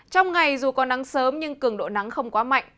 trong ngày dù có nắng sớm nhưng cường độ nắng không quá mạnh